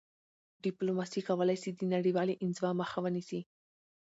ډیپلوماسي کولای سي د نړیوالي انزوا مخه ونیسي..